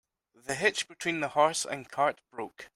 The hitch between the horse and cart broke.